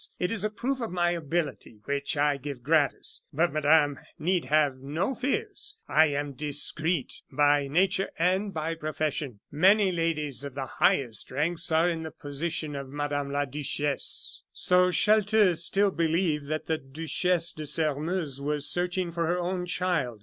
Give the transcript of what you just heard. It is a proof of my ability, which I give, gratis. But Madame need have no fears. I am discreet by nature and by profession. Many ladies of the highest ranks are in the position of Madame la Duchesse!" So Chelteux still believed that the Duchesse de Sairmeuse was searching for her own child.